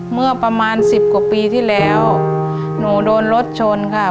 เมื่อประมาณสิบกว่าปีที่แล้วหนูโดนรถชนค่ะ